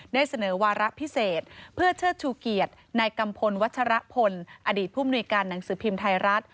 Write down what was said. เสนอวาระพิเศษเพื่อเชิดชูเกียรติในกัมพลวัชรพลอดีตผู้มนุยการหนังสือพิมพ์ไทยรัฐ